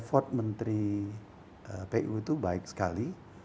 effort menteri pu itu baik sekali